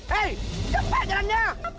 hei cepat jalannya